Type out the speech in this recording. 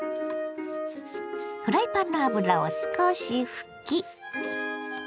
フライパンの油を少し拭き。